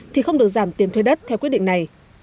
thì không được giảm tiền thuê đất theo quyết định này